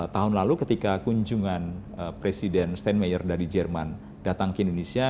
tahun lalu ketika kunjungan presiden steinmeyer dari jerman datang ke indonesia